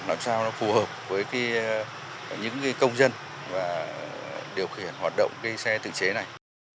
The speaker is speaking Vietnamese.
làm sao nó phù hợp với những công dân và điều khiển hoạt động cái xe tự chế này